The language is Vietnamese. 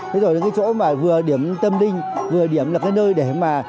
thế rồi là cái chỗ mà vừa điểm tâm linh vừa điểm là cái nơi để mà